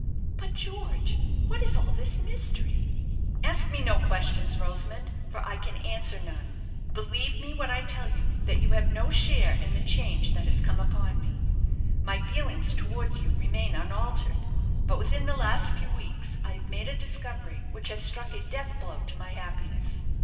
"But, George, what is all this mystery?" "Ask me no questions, Rosamond, for I can answer none. Believe me when I tell you that you have no share in the change that has come upon me. My feelings towards you remain unaltered; but within the last few weeks I have made a discovery which has struck a death blow to my happiness.